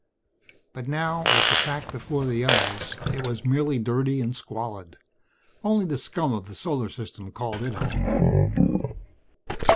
But now, with the fact before the eyes, it was merely dirty and squalid. Only the scum of the Solar System called it home.